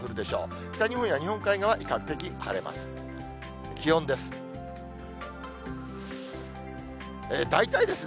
北日本や日本海側、比較的晴れます。